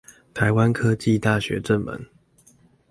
臺灣科技大學正門